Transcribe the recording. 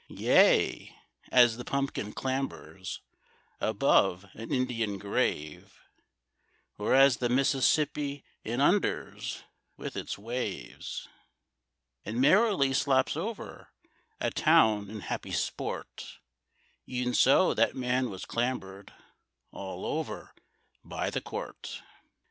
Yea, as the pumpkin clambers Above an Indian grave, Or as the Mississippi Inunders with its wave, And merrily slops over A town in happy sport, E'en so that man was clambered All over by the Court.